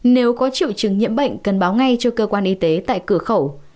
nếu có triệu chứng nhiễm bệnh cần báo ngay cho cơ quan y tế tại cửa khẩu